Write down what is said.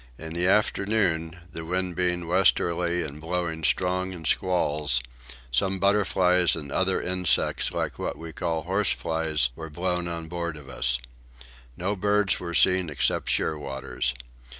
In the afternoon, the wind being westerly and blowing strong in squalls, some butterflies and other insects like what we call horseflies were blown on board of us. No birds were seen except shearwaters.